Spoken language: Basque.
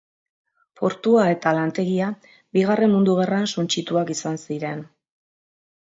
Portua eta lantegia, Bigarren Mundu Gerran suntsituak izan ziren.